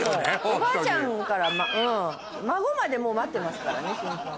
おばあちゃんから孫まで待ってますからね新刊を。